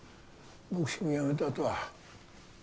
ボクシングやめたあとは。